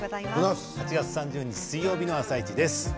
８月３０日水曜日の「あさイチ」です。